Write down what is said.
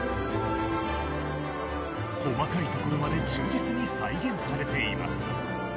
細かいところまで忠実に再現されています。